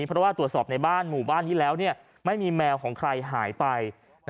ไปต่อวัดคือไม่มีแมวของใครหายไป